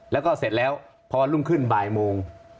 แล้วก็เสร็จแล้วพอรุ่งขึ้นบ่ายโมง